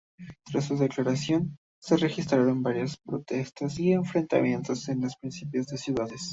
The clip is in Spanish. Tras su declaración, se registraron varias protestas y enfrentamientos en las principales ciudades.